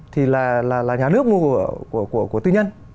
thì là nhà nước mua của tư nhân